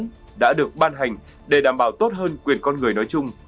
hướng dẫn đã được ban hành để đảm bảo tốt hơn quyền con người nói chung